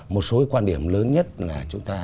một số quan điểm lớn nhất là chúng ta